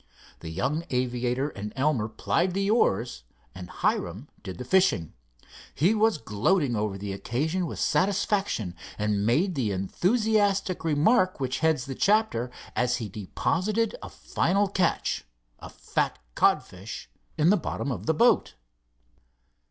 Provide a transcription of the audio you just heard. The young aviator and Elmer plied the oars and Hiram did the fishing. He was gloating over the occasion with satisfaction, and made the enthusiastic remark which heads the chapter as he deposited a final catch, a fat codfish, in the bottom of the boat.